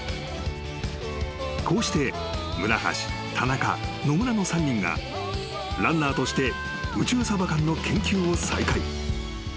［こうして村橋田中野村の３人がランナーとして宇宙サバ缶の研究を再開］